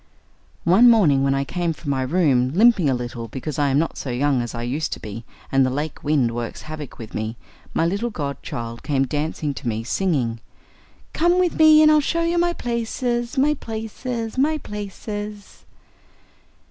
One morning when I came from my room, limping a little, because I am not so young as I used to be, and the lake wind works havoc with me, my little godchild came dancing to me singing: "Come with me and I'll show you my places, my places, my places!"